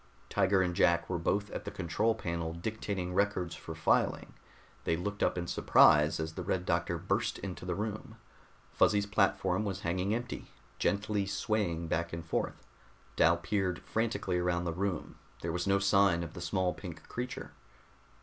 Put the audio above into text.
_" Tiger and Jack were both at the control panel dictating records for filing. They looked up in surprise as the Red Doctor burst into the room. Fuzzy's platform was hanging empty, gently swaying back and forth. Dal peered frantically around the room. There was no sign of the small pink creature.